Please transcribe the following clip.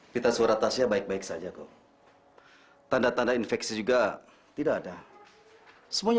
kita suara tasnya baik baik saja kok tanda tanda infeksi juga tidak ada semuanya